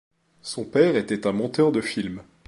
Son père était un monteur de film.